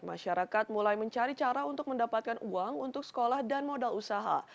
masyarakat mulai mencari cara untuk mendapatkan uang untuk sekolah dan modal usaha